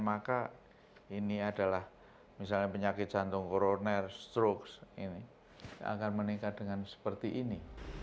maka ini adalah misalnya penyakit jantung koroner stroke ini akan meningkat dengan seperti ini